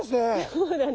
そうだね。